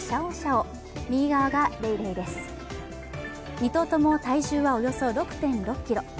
２頭とも体重はおよそ６．６ｋｇ。